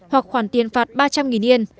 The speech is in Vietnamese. hoặc khoản tiền phạt ba trăm linh yên